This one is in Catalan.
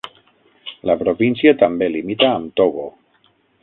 La província també limita amb Togo.